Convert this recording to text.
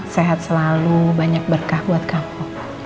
sehat selalu banyak berkah buat kamu